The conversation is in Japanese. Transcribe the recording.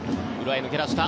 抜け出した。